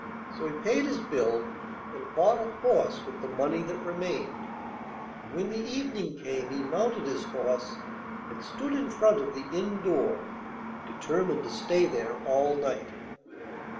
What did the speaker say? So he paid his bill, and bought a horse with the money that remained, and when the evening came he mounted his horse and stood in front of the inn door, determined to stay there all night.